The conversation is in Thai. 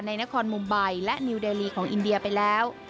ในนครมุมไบและนิวเดลีของอินเดียไปแล้ว